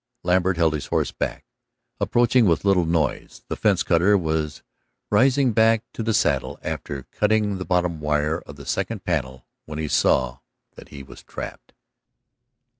Lambert held his horse back, approaching with little noise. The fence cutter was rising back to the saddle after cutting the bottom wire of the second panel when he saw that he was trapped.